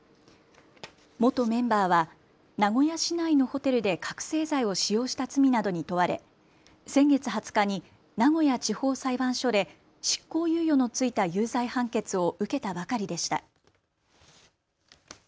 元メンバーは名古屋市内のホテルで覚醒剤を使用した罪などに問われ先月２０日に名古屋地方裁判所で執行猶予の付いた有罪判決を受けたばかりでした。